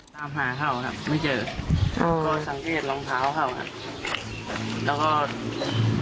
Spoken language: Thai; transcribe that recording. ตามหาเข้าครับไม่เจอก็ติดลองเท้าเข้าครับ